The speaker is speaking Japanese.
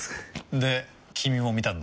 で君も見たんだろ？